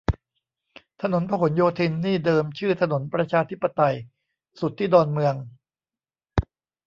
ถนนพหลโยธินนี่เดิมชื่อ "ถนนประชาธิปไตย" สุดที่ดอนเมือง